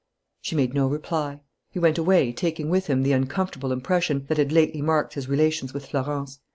She made no reply. He went away, taking with him the uncomfortable impression that had lately marked his relations with Florence.